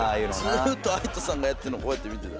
ずっとＡＩＴＯさんがやってんのこうやって見てた。